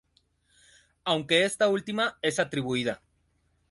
Aunque esta última es atribuida.